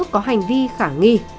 có hành vi khả nghi